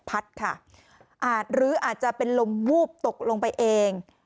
พัดค่ะอาจหรืออาจจะเป็นลมวูบตกลงไปเอง